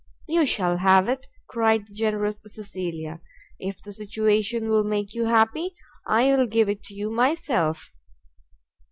"You shall have it!" cried the generous Cecilia, "if the situation will make you happy, I will give it you myself."